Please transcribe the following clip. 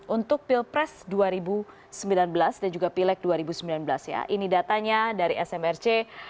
untuk pilpres dua ribu sembilan belas dan juga pileg dua ribu sembilan belas ya ini datanya dari smrc